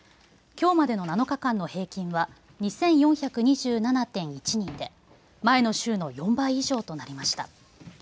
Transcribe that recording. きょうまでの７日間の平均は２４２７．１人で前の週の４倍以上となりました。